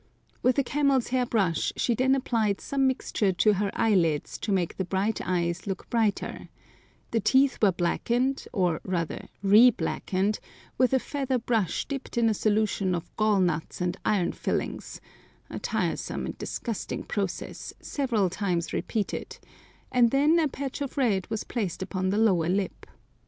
With a camel's hair brush she then applied some mixture to her eyelids to make the bright eyes look brighter, the teeth were blackened, or rather reblackened, with a feather brush dipped in a solution of gall nuts and iron filings—a tiresome and disgusting process, several times repeated, and then a patch of red was placed upon the lower lip.